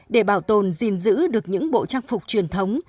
để bảo tồn gìn giữ được những bộ trang phục truyền thống